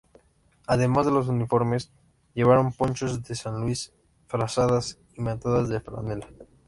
Además de los uniformes, llevaron ponchos de San Luis, frazadas y mantas de franela.